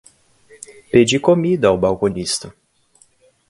Pedi comida ao balconista.